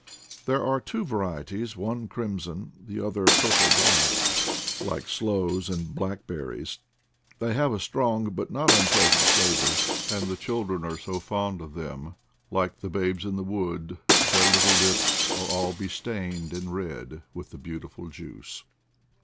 There are two varieties, one crimson, the other purple black, like sloes and blackberries. They have a strong but not unpleasant flavor, and the children are so fond of them that, like the babes in the wood, their little 48 IDLE DAYS IN PATAGONIA » Eps are all bestained and red with the beautiful juice.